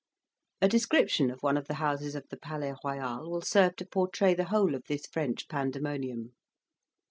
A description of one of the houses of the Palais Royal, will serve to portray the whole of this French pandemonium.